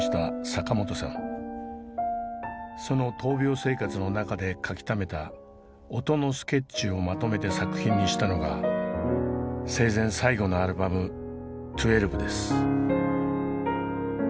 その闘病生活の中で書きためた音のスケッチをまとめて作品にしたのが生前最後のアルバム「１２」です。